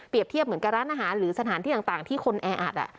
เทียบเหมือนกับร้านอาหารหรือสถานที่ต่างที่คนแออัด